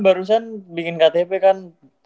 barusan bikin ktp kan